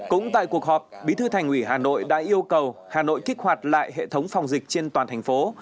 cũng tại cuộc họp bí thư thành ủy hà nội đã yêu cầu hà nội kích hoạt lại hệ thống phòng dịch trên toàn thành phố